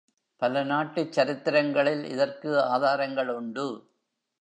பல நாட்டுச் சரித்திரங்களில் இதற்கு ஆதாரங்களுண்டு.